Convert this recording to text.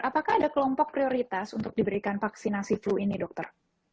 apakah ada kelompok prioritas untuk diberikan vaksinasi flu ini dokter